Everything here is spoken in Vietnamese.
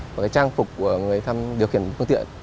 và trang phục của người tham điều khiển phương tiện